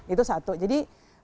itu satu jadi